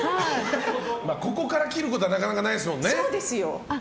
ここから切ることはなかなかないですもんね。